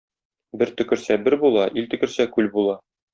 Бер төкерсә, бер була, ил төкерсә, күл була.